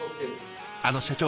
あの社長。